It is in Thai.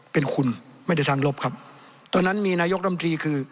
เป็นคุณไม่ได้ทางลบครับตอนนั้นมีนายกรรมตรีคือ